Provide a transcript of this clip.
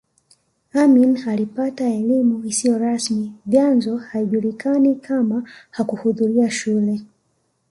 Amin alipata elimu isiyo rasmi vyanzo haijulikani kama hakuhudhuria shule